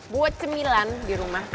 buat cemilan di rumah